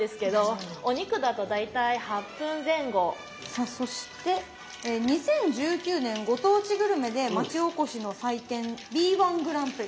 さあそして２０１９年ご当地グルメで町おこしの祭典Ｂ−１グランプリ。